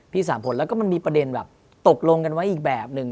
สามผลแล้วก็มันมีประเด็นแบบตกลงกันไว้อีกแบบหนึ่ง